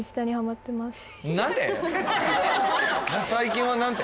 最近は何て？